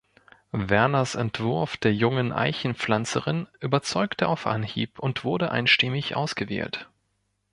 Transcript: Werners Entwurf der jungen Eichen-Pflanzerin überzeugte auf Anhieb und wurde einstimmig ausgewählt.